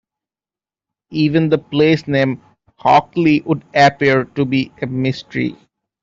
Even the place-name 'Hockley' would appear to be a mystery.